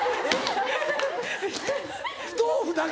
豆腐だけ？